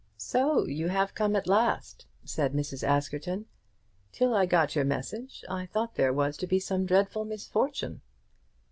"So you have come at last!" said Mrs. Askerton. "Till I got your message I thought there was to be some dreadful misfortune."